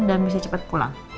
dan bisa cepet pulang